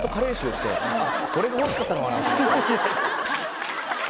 これが欲しかったのかなと思って。